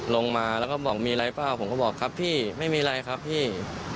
ลงมาแล้วก็บอกมีอะไรเปล่าผมก็บอกครับพี่ไม่มีอะไรครับพี่